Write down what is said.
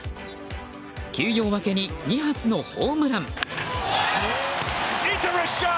休養明けに２発のホームラン。